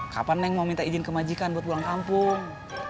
kapan neng mau minta izin ke majikan buat pulang kampung